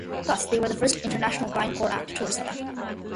Thus they were the first international grind core act to tour South Africa.